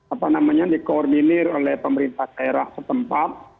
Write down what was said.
apa namanya di koordinir oleh pemerintah daerah setempat